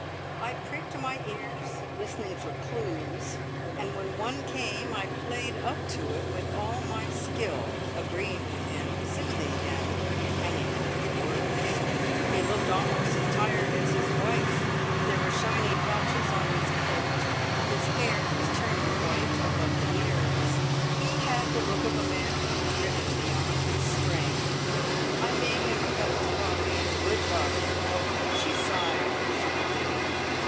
I pricked my ears, listening for "clues," and when one came, I played up to it with all my skill, agreeing with him, soothing him, hanging on his words. He looked almost as tired as his wife; there were shiny patches on his coat; his hair was turning white above the ears; he had the look of a man driven beyond his strength. I made him a cup of coffee, good coffee! over which he sighed appreciatively.